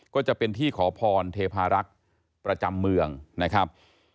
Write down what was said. ก็จะเป็นที่ขอพรเทพารักษ์ประจำเมืองนะครับ